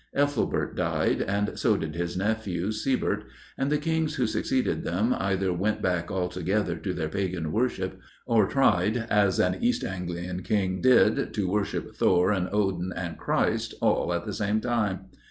Ethelbert died, and so did his nephew Siebert, and the Kings who succeeded them either went back altogether to their pagan worship, or tried, as an East Anglian King did, to worship Thor and Odin and Christ all at the same time.